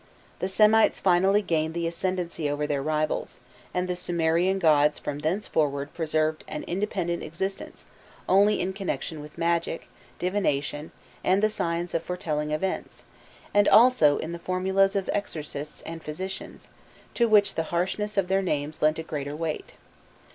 The Semites finally gained the ascendency over their rivals, and the Sumerian gods from thenceforward preserved an independent existence only in connection with magic, divination, and the science of foretelling events, and also in the formulas of exorcists and physicians, to which the harshness of their names lent a greater weight.